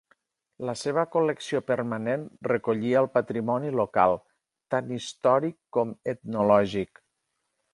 La seva col·lecció permanent recollia el patrimoni local, tant històric com etnològic.